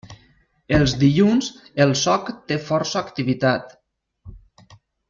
Els dilluns el soc té força activitat.